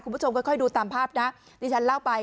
คุณผู้ชมค่อยดูตามภาพนะที่ฉันเล่าไป